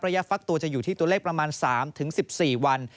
ฟักตัวจะอยู่ที่ตัวเลขประมาณ๓๑๔วัน